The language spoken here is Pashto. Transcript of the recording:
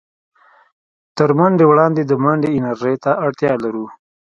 تر منډې وړاندې د منډې انرژۍ ته اړتيا لرو.